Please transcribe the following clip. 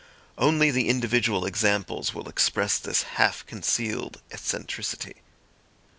Only the individual examples will express this half concealed eccentricity.